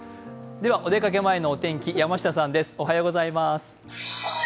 お出かけ前のお天気、山下さんです。